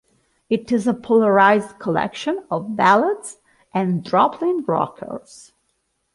It is a polarized collection of ballads and throbbing rockers.